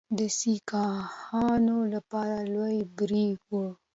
دا د سیکهانو لپاره لوی بری وو.